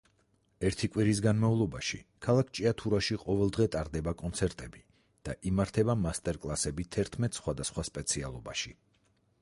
ერთი კვირის განმავლობაში, ქალაქ ჭიათურაში ყოველდღე ტარდება კონცერტები და იმართება მასტერკლასები თერთმეტ სხვადასხვა სპეციალობაში.